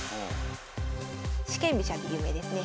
四間飛車で有名ですね。